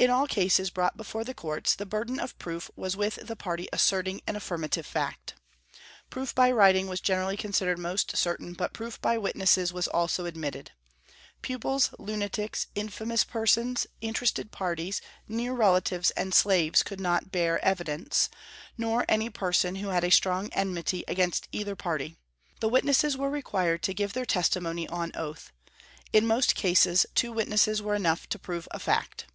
In all cases brought before the courts, the burden of proof was with the party asserting an affirmative fact. Proof by writing was generally considered most certain, but proof by witnesses was also admitted. Pupils, lunatics, infamous persons, interested parties, near relatives, and slaves could not bear evidence, nor any person who had a strong enmity against either party. The witnesses were required to give their testimony on oath. In most cases two witnesses were enough to prove a fact.